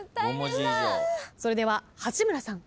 それでは八村さん。